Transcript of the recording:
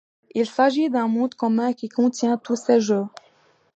Il s'agit d'un monde commun qui contient tous ces jeux.